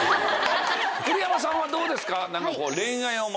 栗山さんはどうですか？